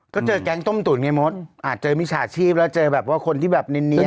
ก็เจอแก๊งต้มตุ๋นไงมดอาจเจอมิจฉาชีพแล้วเจอแบบว่าคนที่แบบเนียน